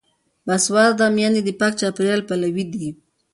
باسواده میندې د پاک چاپیریال پلوي دي.